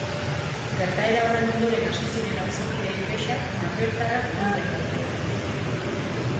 Gertaera horren ondoren hasi ziren auzokideen kexak magrebtarrak denden aurrean.